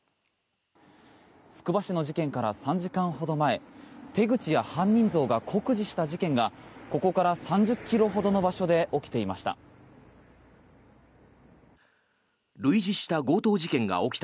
つくば市の事件から３時間ほど前手口や犯人像が酷似した事件がここから３０ｋｍほどの場所で起きていました。